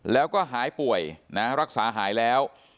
แล้วก็หายป่วยนะรักษาหายแล้ว